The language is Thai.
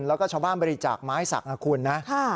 แล้วก็ชาวบ้านบริจาคไม้สักนะคุณนะ